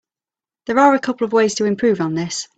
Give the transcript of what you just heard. There are a couple ways to improve on this.